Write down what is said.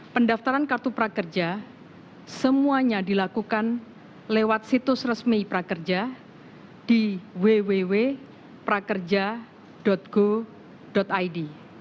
pendaftaran kartu prakerja semuanya dilakukan lewat situs resmi prakerja di www prakerja go id